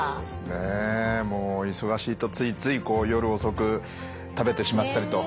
もう忙しいとついつい夜遅く食べてしまったりと。